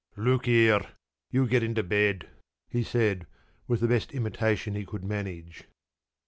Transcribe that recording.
p> "Look here! You get into bed!" he said, with the best imitation he could manage.